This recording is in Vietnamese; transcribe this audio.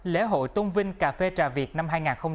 lễ hội tôn vinh cà phê trà việt năm hai nghìn hai mươi bốn